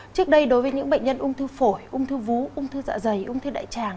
trước đây đối với những bệnh nhân ung thư phổi ung thư vú ung thư dạ dày ung thư đại tràng